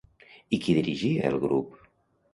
I qui dirigia el grup?